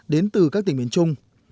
đến từ các tỉnh miền trung